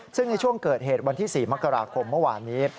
ซึ่งในช่วงเกิดเหตุวันที่๔มกราคมเมื่อวานนี้